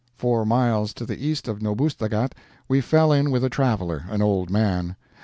Four miles to the east of Noubustaghat we fell in with a traveler, an old man.